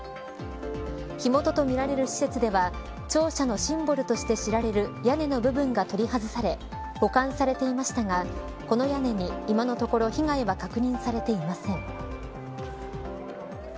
火元とみられる施設では庁舎のシンボルとして知られる屋根の部分が取り外され保管されていましたがこの屋根に今のところ被害は確認されていません。